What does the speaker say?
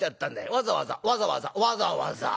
わざわざわざわざわざわざ。